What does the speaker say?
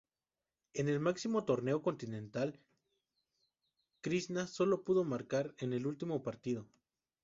En el máximo torneo continental, Krishna solo pudo marcar en el último partido.